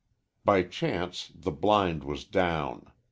By chance the blind was down.